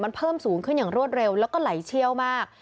มันเพิ่มสูงขึ้นอย่างรวดเร็วแล้วก็ไหลเชี่ยวมาก